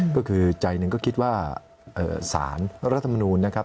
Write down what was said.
ก็คือใจหนึ่งก็คิดว่าสารรัฐมนูลนะครับ